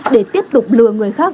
để tiếp tục lừa người khác